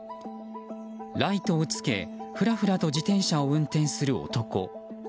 ライトをつけふらふらと自転車を運転する男。